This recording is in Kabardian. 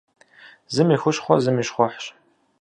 Зым и хущхъуэ зым и щхъухьщ.